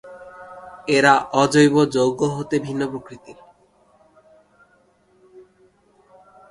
এরা অজৈব যৌগ হতে ভিন্ন প্রকৃতির।